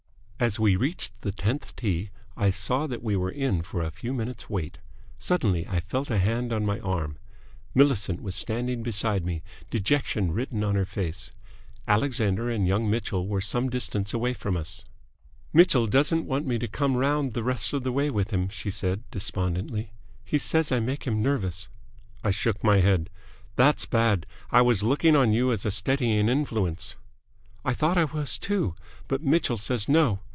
As we reached the tenth tee, I saw that we were in for a few minutes' wait. Suddenly I felt a hand on my arm. Millicent was standing beside me, dejection written on her face. Alexander and young Mitchell were some distance away from us. "Mitchell doesn't want me to come round the rest of the way with him," she said, despondently. "He says I make him nervous." I shook my head. "That's bad! I was looking on you as a steadying influence." "I thought I was, too. But Mitchell says no.